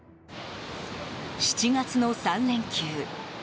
７月の３連休。